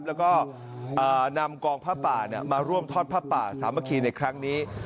แล้วก็เอ่อนำกองภาพป่าเนี่ยมาร่วมทอดภาพป่าสามัคคีในครั้งนี้